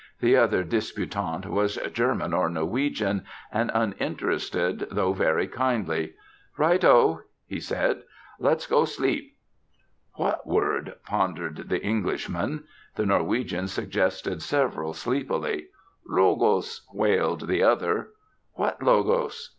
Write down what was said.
The other disputant was German or Norwegian, and uninterested, though very kindly. "Right o!" he said. "Let's go sleep!" "What word?" pondered the Englishman. The Norwegian suggested several, sleepily. "Logos," wailed the other, "What Logos?"